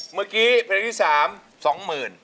เมื่อกี้เพลงที่๓สองหมื่น